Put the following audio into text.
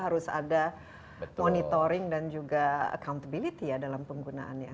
harus ada monitoring dan juga accountability ya dalam penggunaannya